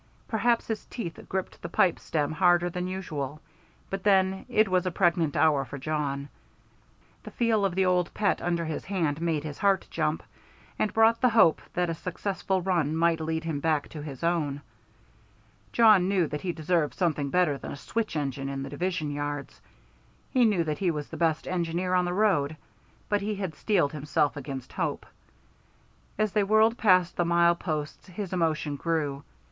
Perhaps his teeth gripped the pipe stem harder than usual, but then, it was a pregnant hour for Jawn. The feel of the old pet under his hand made his heart jump, and brought the hope that a successful run might lead him back to his own. Jawn knew that he deserved something better than a switch engine in the division yards, he knew that he was the best engineer on the road, but he had steeled himself against hope. As they whirled past the mile posts his emotion grew.